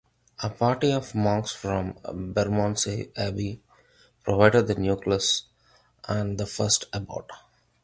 A party of monks from Bermondsey Abbey provided the nucleus and the first abbot.